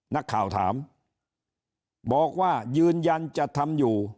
นักข่าวถามบอกว่ายืนยันจะทำอยู่